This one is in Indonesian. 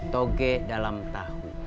toge dalam tahu